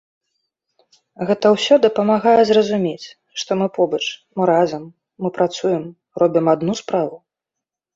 Гэта ўсё дапамагае зразумець, што мы побач, мы разам, мы працуем, робім адну справу.